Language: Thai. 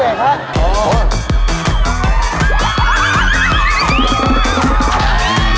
อาหารการกิน